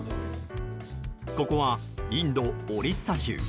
ここはインド・オリッサ州。